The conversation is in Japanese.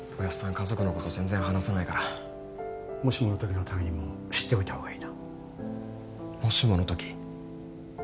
家族のこと全然話さないからもしものときのためにも知っておいたほうがいいなもしものとき？